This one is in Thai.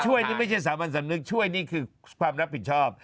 นี่ไม่ใช่สามัญสำนึกช่วยนี่คือความรับผิดชอบ